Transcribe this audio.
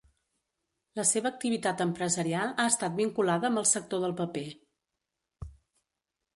La seva activitat empresarial ha estat vinculada amb el sector del paper.